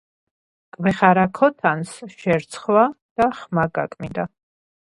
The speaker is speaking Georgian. მკვეხარა ქოთანს შერცხვა და ხმა გაკმინდა.